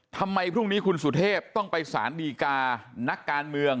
ทำไมพรุ่งนี้คุณสุเทพต้องไปสารดีกานักการเมือง